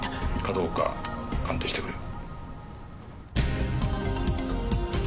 かどうか鑑定してくれ。